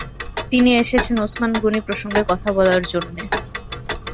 তিনি এসেছেন ওসমান গনি প্রসঙ্গে কথা বলার জন্যে।